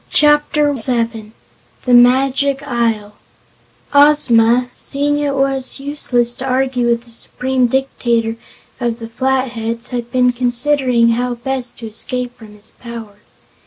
Chapter Seven The Magic Isle Ozma, seeing it was useless to argue with the Supreme Dictator of the Flatheads, had been considering how best to escape from his power.